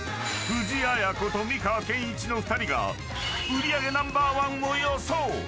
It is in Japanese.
藤あや子と美川憲一の２人が売り上げナンバーワンを予想。